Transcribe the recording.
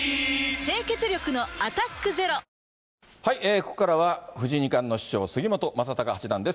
ここからは藤井二冠の師匠、杉本昌隆八段です。